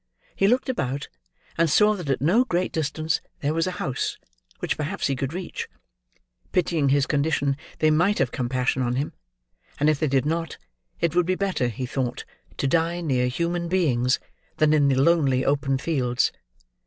He looked about, and saw that at no great distance there was a house, which perhaps he could reach. Pitying his condition, they might have compassion on him; and if they did not, it would be better, he thought, to die near human beings, than in the lonely open fields.